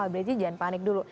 berarti jangan panik dulu